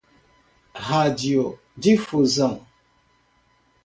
radiodifusão